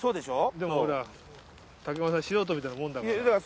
でも俺ら山さん素人みたいなもんだから。